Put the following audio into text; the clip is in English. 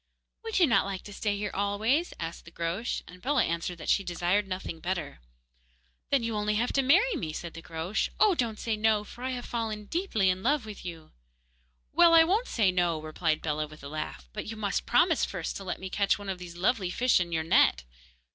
'Would you not like to stay here always?' asked the Groac'h; and Bellah answered that she desired nothing better. 'Then you have only to marry me,' said the Groac'h. 'Oh! don't say no, for I have fallen deeply in love with you.' 'Well, I won't say "No,"' replied Bellah, with a laugh, 'but you must promise first to let me catch one of those lovely fish in your net.